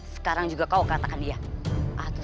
sekarang juga kau katakan dia